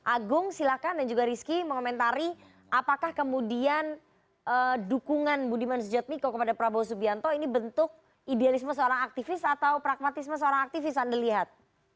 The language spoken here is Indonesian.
agung silakan dan juga rizky mengomentari apakah kemudian dukungan budiman sujadmiko kepada prabowo subianto ini bentuk idealisme seorang aktivis atau pragmatisme seorang aktivis anda lihat